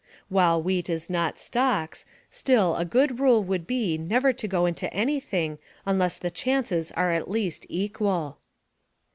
While wheat is not stocks, still a good rule would be never to go into anything unless the chances are at least equal.